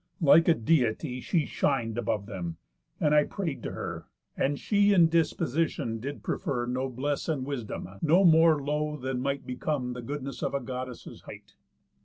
Like a Deity She shin'd above them; and I pray'd to her, And she in disposition did prefer Noblesse, and wisdom, no more low than might Become the goodness of a Goddess' height.